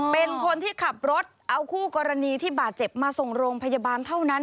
เป็นคนที่ขับรถเอาคู่กรณีที่บาดเจ็บมาส่งโรงพยาบาลเท่านั้น